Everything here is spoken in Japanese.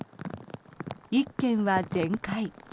１軒は全壊。